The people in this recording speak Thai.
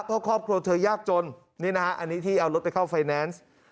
เพราะครอบครัวเธอยากจนนี่นะฮะอันนี้ที่เอารถไปเข้าไฟแนนซ์